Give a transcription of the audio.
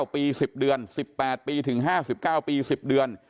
๙ปี๑๐เดือน๑๘ปีถึง๕๙ปี๑๐เดือน